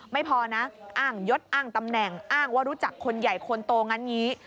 ไม่พอนะอ้างยศอ้างตำแหน่งอ้างว่ารู้จักคนใหญ่คนโตงั้นงี้